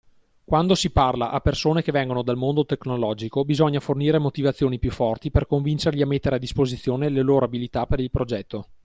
Quando si parla a persone che vengono dal mondo tecnologico bisogna fornire motivazioni più forti per convincerli a mettere a disposizione le loro abilità per il progetto.